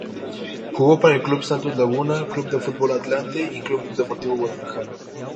Jugó para el Club Santos Laguna, Club de Fútbol Atlante y Club Deportivo Guadalajara.